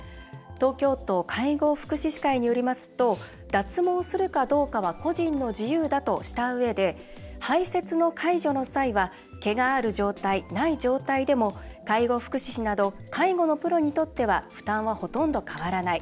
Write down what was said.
東京都介護福祉士会によりますと脱毛するかどうかは個人の自由だとしたうえで排せつの介助の際は毛がある状態、ない状態でも介護福祉士など介護のプロにとっては負担は、ほとんど変わらない。